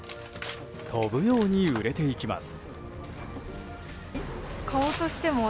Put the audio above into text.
飛ぶように売れていきます。